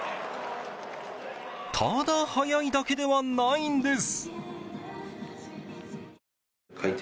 ただ速いだけではないんです。